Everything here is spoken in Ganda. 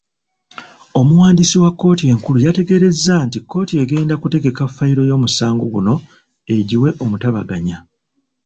Omuwandiisi wa kkooti enkulu yategeerezza nti kkooti egenda kutegeka fayiro y'omusango guno egiwe omutabaganya